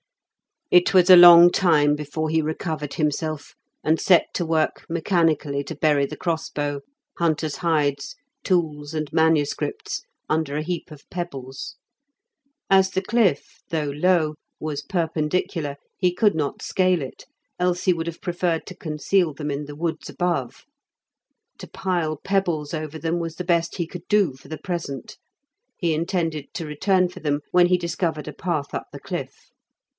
It was a long time before he recovered himself, and set to work mechanically to bury the crossbow, hunter's hides, tools, and manuscripts, under a heap of pebbles. As the cliff, though low, was perpendicular, he could not scale it, else he would have preferred to conceal them in the woods above. To pile pebbles over them was the best he could do for the present; he intended to return for them when he discovered a path up the cliff.